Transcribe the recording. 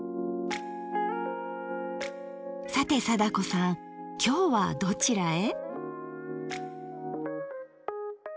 さて貞子さんきょうはどちらへ？